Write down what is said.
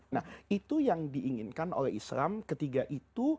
nah itu yang diinginkan oleh islam ketiga itu